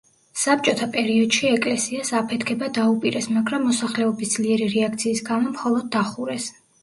საბჭოთა პერიოდში ეკლესიას აფეთქება დაუპირეს, მაგრამ მოსახლეობის ძლიერი რეაქციის გამო მხოლოდ დახურეს.